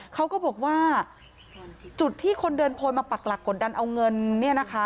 เขาก็บอกว่าจุดที่คนเดินโพยมาปักหลักกดดันเอาเงินเนี่ยนะคะ